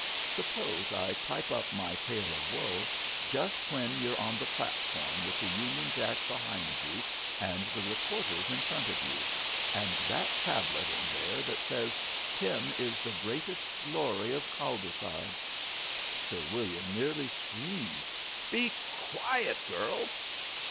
Suppose I pipe up my tale of woe just when you're on the platform with the Union Jack behind you and the reporters in front of you, and that tablet in there that says Tim is the greatest glory of Calderside " Sir William nearly screamed. "Be quiet, girl.